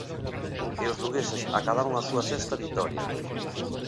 E os lugueses acadaron a súa sexta vitoria.